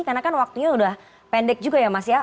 karena kan waktunya sudah pendek juga ya mas ya